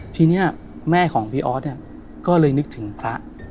ทีนี้แม่ของพี่อ๊อตก็เลยนึกถึงพระ